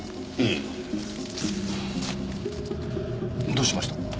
どうしました？